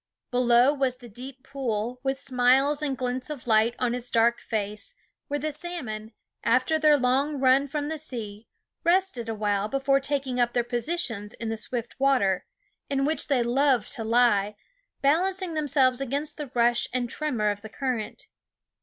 Below was the deep pool, with smiles and glintings of light on its dark face, where the salmon, after their long run from the sea, rested awhile before taking up their positions in the swift water, in which they love to lie, balancing themselves against the rush and tremor of the current.